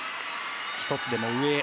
１つでも上へ。